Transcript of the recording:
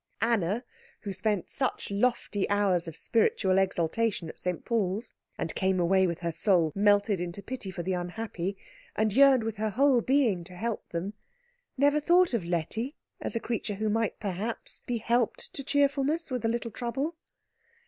Anna, who spent such lofty hours of spiritual exaltation at St. Paul's, and came away with her soul melted into pity for the unhappy, and yearned with her whole being to help them, never thought of Letty as a creature who might perhaps be helped to cheerfulness with a little trouble.